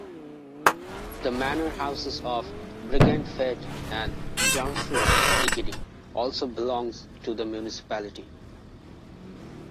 The manor houses of Bregentved and Jomfruens Egede also belong to the municipality.